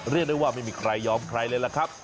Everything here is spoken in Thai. เรียกได้ว่าไม่มีใครยอมใครเลยล่ะครับ